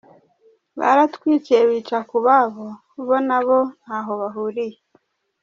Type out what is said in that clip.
Baratwiciye bica ku babo, bo na bo ntaho bahuliye.